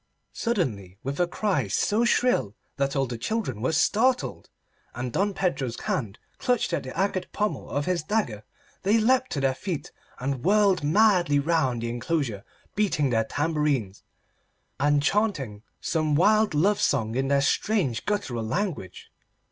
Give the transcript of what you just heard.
Suddenly, with a cry so shrill that all the children were startled and Don Pedro's hand clutched at the agate pommel of his dagger, they leapt to their feet and whirled madly round the enclosure beating their tambourines, and chaunting some wild love song in their strange guttural language.